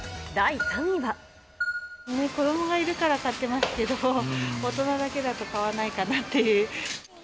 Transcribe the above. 子どもがいるから買ってますけど、大人だけだと買わないかなっていう。